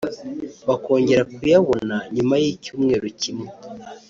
bakongera kuyabona nyuma y’icyumweru kimwe